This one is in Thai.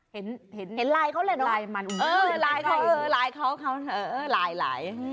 เห็นลายเขาแหละลายมันเออลายเขาลาย